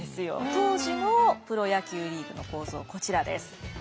当時のプロ野球リーグの構造こちらです。